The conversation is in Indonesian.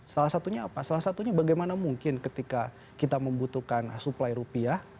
salah satunya apa salah satunya bagaimana mungkin ketika kita membutuhkan suplai rupiah